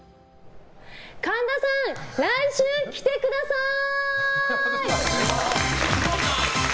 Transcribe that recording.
神田さん、来週着てください！